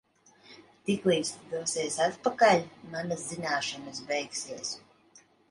Tiklīdz tu dosies atpakaļ, manas zināšanas beigsies.